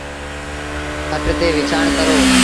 کٽ تي وڇآݩ ڪرو۔